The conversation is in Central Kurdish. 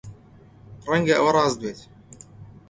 ڕەنگە ئەوە ڕاست بێت.